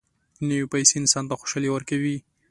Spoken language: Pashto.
نوې پیسې انسان ته خوشالي ورکوي